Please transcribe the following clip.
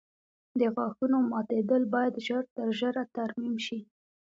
د غاښونو ماتېدل باید ژر تر ژره ترمیم شي.